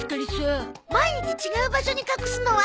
毎日違う場所に隠すのは？